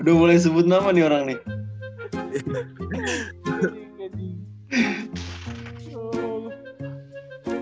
udah boleh sebut nama nih orang nih